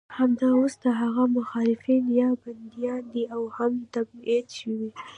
همدا اوس د هغه مخالفین یا بندیان دي او یا هم تبعید شوي.